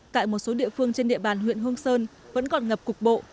tại một số địa phương trên địa bàn huyện hương sơn vẫn còn ngập cục bộ